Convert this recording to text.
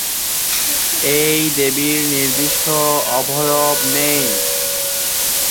এই দেবীর নির্দিষ্ট অবয়ব নেই।